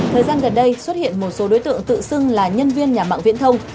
thời gian gần đây xuất hiện một số đối tượng tự xưng là nhân viên nhà mạng viễn thông